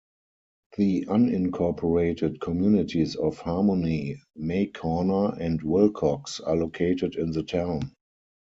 The unincorporated communities of Harmony, May Corner, and Wilcox are located in the town.